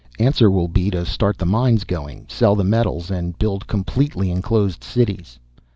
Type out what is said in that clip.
Answer will be to start the mines going, sell the metals and build completely enclosed cities.